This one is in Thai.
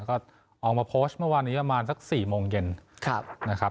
ก็ออกมาโพสต์เมื่อวานนี้ประมาณสัก๔โมงเย็นนะครับ